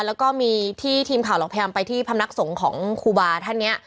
แล้วก็มีที่ทีมข่าวเราพยายามไปที่พำนักสงฆ์ของครูบาท่านนี้